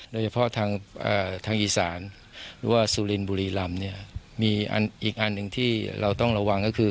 โดยเฉพาะทางอีสานหรือว่าสุรินบุรีรำเนี่ยมีอีกอันหนึ่งที่เราต้องระวังก็คือ